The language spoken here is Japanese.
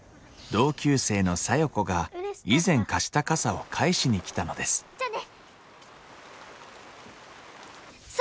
同級生の小夜子が以前貸した傘を返しに来たのです座って！